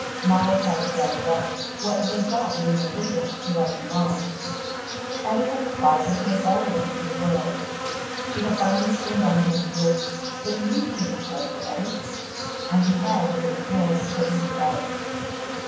Molly had said that what they thought made no difference to right and wrong; Eddy had replied that it made all the difference in the world. She had finally turned on him with, "But you think it dreadful, Eddy?" and he had, to her dismay, shaken his head.